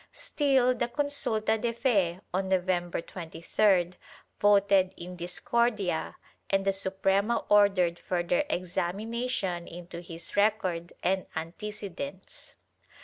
Still the consulta de fe, on November 23d, voted in discordia and the Suprema ordered further examination into his record and antecedents.